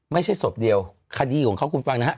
ไม่ใช่ศพเดียวคดีของเขาคุณฟังนะฮะ